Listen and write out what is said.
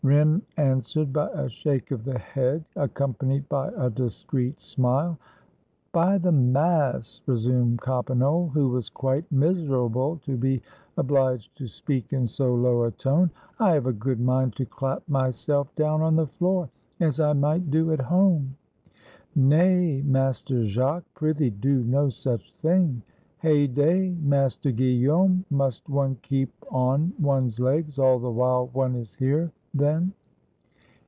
Rym answered by a shake of the head, accompanied by a discreet smile. "By the mass!" resumed Coppenole, who was quite miserable to be obliged to speak in so low a tone, " I have a good mind to clap myself down on the floor, as I might do at home." "Nay, Master Jacques, prithee do no such thing." "Hey day, Master Guillaume! must one keep on one's legs all the while one is here, then?"